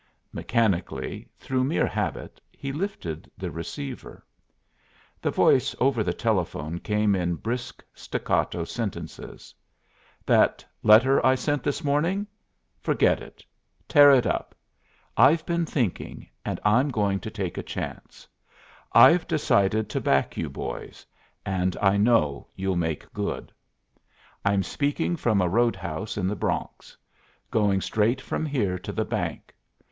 Mechanically, through mere habit, he lifted the receiver. The voice over the telephone came in brisk staccato sentences. "That letter I sent this morning? Forget it. Tear it up. I've been thinking and I'm going to take a chance. I've decided to back you boys, and I know you'll make good. I'm speaking from a roadhouse in the Bronx; going straight from here to the bank.